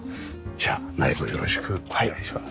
じゃあ内部をよろしくお願いします。